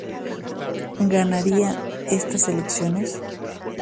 Ganaría estas elecciones